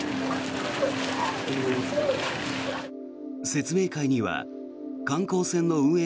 説明会には観光船の運営